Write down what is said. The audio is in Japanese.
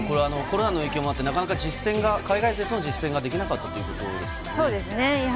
コロナの影響もあって、なかなか実戦ができなかったということですね。